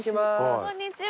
こんにちは。